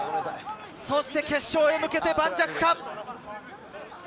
そして決勝へ向けて盤石か？